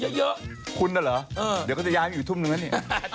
วานทำไมไม่ให้